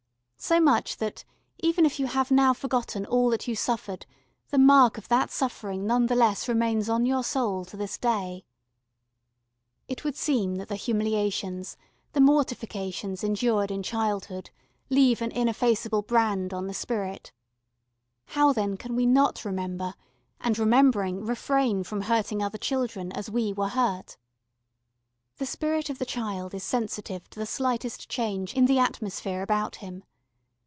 So much that, even if you have now forgotten all that you suffered, the mark of that suffering none the less remains on your soul to this day. It would seem that the humiliations, the mortifications endured in childhood leave an ineffaceable brand on the spirit. How then can we not remember, and, remembering, refrain from hurting other children as we were hurt? The spirit of the child is sensitive to the slightest change in the atmosphere about him.